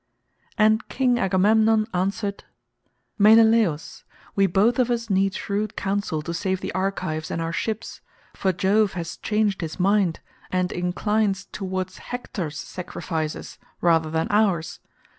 And King Agamemnon answered, "Menelaus, we both of us need shrewd counsel to save the Argives and our ships, for Jove has changed his mind, and inclines towards Hector's sacrifices rather than ours.